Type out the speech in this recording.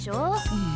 うん。